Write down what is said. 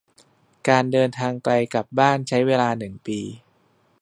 การเดินทางไกลกลับบ้านใช้เวลาหนึ่งปี